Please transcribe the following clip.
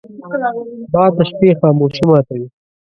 باد د شپې خاموشي ماتوي